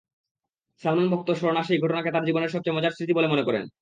সালমান-ভক্ত স্বর্ণা সেই ঘটনাকে তাঁর জীবনের সবচেয়ে মজার স্মৃতি বলে মনে করেন।